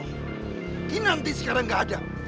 mungkin nanti sekarang nggak ada